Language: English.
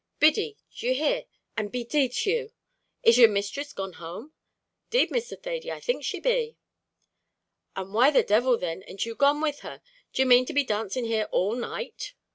"Biddy d'ye hear, and be d d to you! is your misthress gone home?" "'Deed, Mr. Thady, I think she be." "And why the divil, then, a'nt you gone with her? d'you mane to be dancing here all night?"